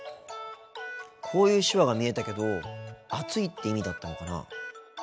こういう手話が見えたけど暑いって意味だったのかな。